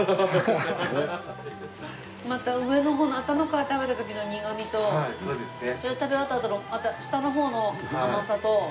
また上の方の頭から食べた時の苦みとそれ食べ終わったあとの下の方の甘さと。